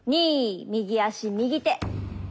２右足右手。